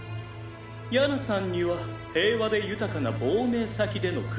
「ヤナさんには平和で豊かな亡命先での暮らしを」